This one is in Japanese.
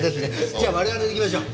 じゃあ我々で行きましょう。